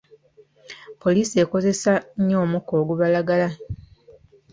Poliisi ekozesa nnyo omukka ogubalagala.